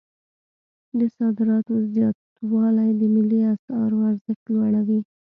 د صادراتو زیاتوالی د ملي اسعارو ارزښت لوړوي.